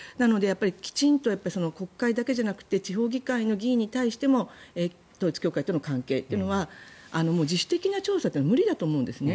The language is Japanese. きちんと国会だけじゃなくて地方議員に対しても統一教会との関係というのは自主的な調査は無理だと思うんですね。